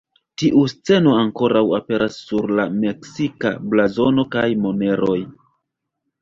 Tiu sceno ankoraŭ aperas sur la meksika blazono kaj moneroj.